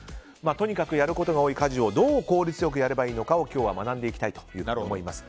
とにかくやることが多い家事をどう効率よくやればいいのか今日は学んでいきたいと思います。